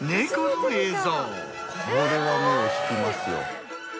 これは目を引きますよ。